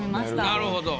なるほど。